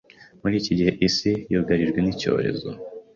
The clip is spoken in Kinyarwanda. muri iki gihe isi yugarijwe n'icyorezo